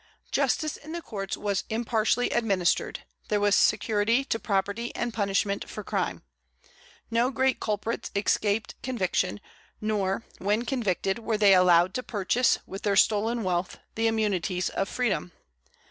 Justice in the courts was impartially administered; there was security to property and punishment for crime. No great culprits escaped conviction; nor, when convicted, were they allowed to purchase, with their stolen wealth, the immunities of freedom.